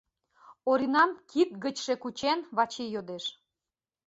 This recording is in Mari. — Оринам кид гычше кучен, Вачи йодеш.